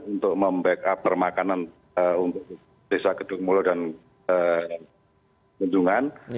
untuk membackup permakanan untuk desa kedung mulyo dan mendungan